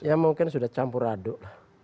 ya mungkin sudah campur aduk